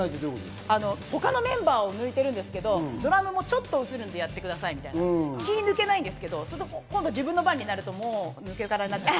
他のメンバーを抜いてるんですけど、ドラムもちょっと映るのでやってくださいみたいな、気を抜けないんですけど、自分の番になると抜けてて。